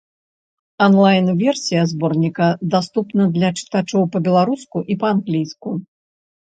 Анлайн-версія зборніка даступна для чытачоў па-беларуску і па-англійску.